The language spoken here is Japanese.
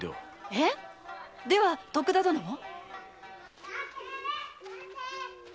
えっ⁉では徳田殿も？